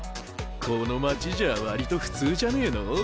この町じゃ割と普通じゃねえの？